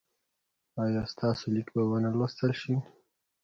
ایا ستاسو لیک به و نه لوستل شي؟